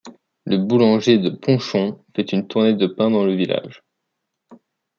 Le boulanger de Ponchon fait une tournée de pain dans le village.